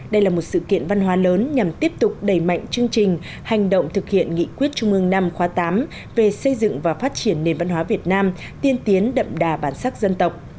đây là một sự kiện văn hóa lớn nhằm tiếp tục đẩy mạnh chương trình hành động thực hiện nghị quyết trung ương năm khóa tám về xây dựng và phát triển nền văn hóa việt nam tiên tiến đậm đà bản sắc dân tộc